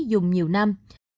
dùng nhiều năm